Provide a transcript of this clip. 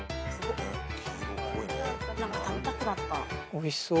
おいしそう。